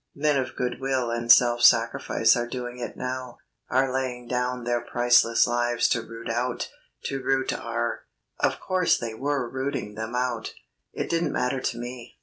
Men of good will and self sacrifice are doing it now are laying down their priceless lives to root out ... to root our...." Of course they were rooting them out. It didn't matter to me.